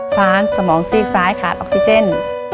ฟ้านสมองซีกซ้ายขาดออกซิเจน